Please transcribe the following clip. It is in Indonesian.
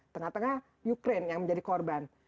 tengah tengah ukraine yang menjadi korban